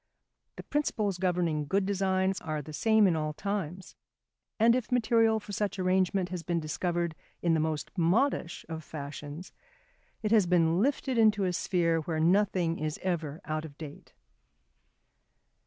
The principles governing good designs are the same in all times; and if material for such arrangement has been discovered in the most modish of fashions, it has been lifted into a sphere where nothing is ever out of date.